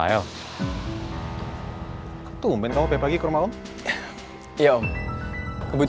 ya terima kasih